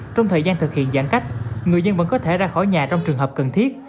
trong thời gian thực hiện giãn cách người dân vẫn có thể ra khỏi nhà trong trường hợp cần thiết